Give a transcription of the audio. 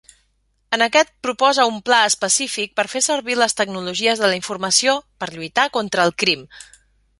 En aquest proposa un pla específic per fer servir les tecnologies de la informació per lluitar contra el crim.